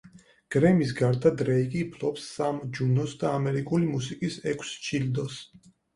გრემის გარდა დრეიკი ფლობს სამ ჯუნოს და ამერიკული მუსიკის ექვს ჯილდოს.